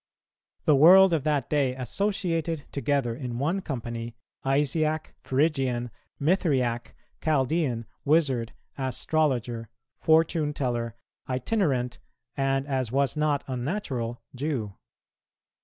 The world of that day associated together in one company, Isiac, Phrygian, Mithriac, Chaldean, wizard, astrologer, fortune teller, itinerant, and, as was not unnatural, Jew.